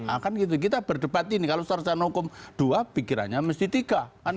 akan gitu kita berdebat ini kalau secara hukum dua pikirannya mesti tiga